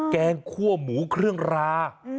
แกงคั่วหมูเครื่องรา